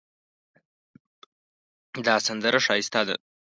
دا سندره ښایسته ده